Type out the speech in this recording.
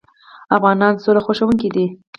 افغانان سوله خوښوونکي دي.